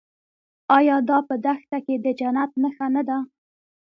آیا دا په دښته کې د جنت نښه نه ده؟